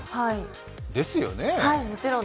ですよね。